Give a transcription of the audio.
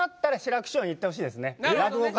行ってほしいですね。